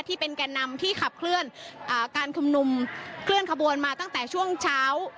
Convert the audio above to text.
แก่นำที่ขับเคลื่อนการชุมนุมเคลื่อนขบวนมาตั้งแต่ช่วงเช้า